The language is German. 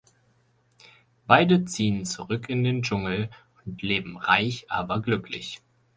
Beide ziehen zurück in den Dschungel und leben reich, aber glücklich.